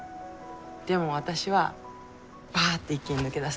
でも私はバッて一気に抜け出すねん。